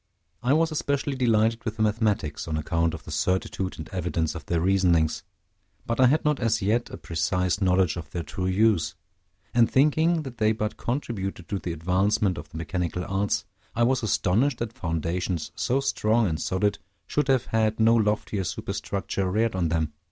I was especially delighted with the mathematics, on account of the certitude and evidence of their reasonings; but I had not as yet a precise knowledge of their true use; and thinking that they but contributed to the advancement of the mechanical arts, I was astonished that foundations, so strong and solid, should have had no loftier superstructure reared on them.